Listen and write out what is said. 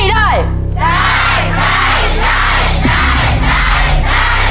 น้องตีนทำได้หรือไม่ได้